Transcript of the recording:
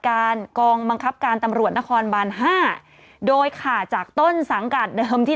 การกองบังคับการตำรวจนครบานห้าโดยขาดจากต้นสังกัดเดิมที่